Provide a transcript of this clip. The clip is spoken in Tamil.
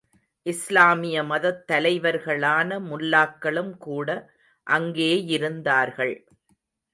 இஸ்லாமிய மதத்தலைவர்களான முல்லாக்களும் கூட அங்கேயிருந்தார்கள்.